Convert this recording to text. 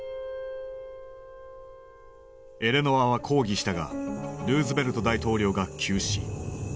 エレノアは抗議したがルーズベルト大統領が急死。